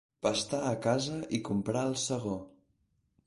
Pastar a casa i comprar el segó.